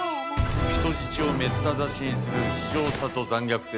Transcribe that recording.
人質をめった刺しにする非情さと残虐性。